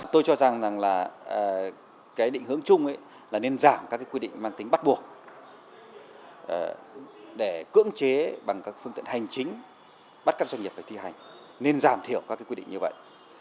tôi cho rằng là cái định hướng chung là nên giảm các quy định mang tính bắt buộc để cưỡng chế bằng các phương tiện hành chính bắt các doanh nghiệp phải thi hành nên giảm thiểu các quy định như vậy